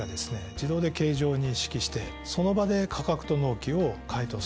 自動で形状を認識してその場で価格と納期を回答すると。